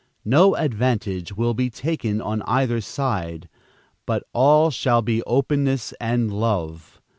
No advantage will be taken on either side; but all shall be openness and love.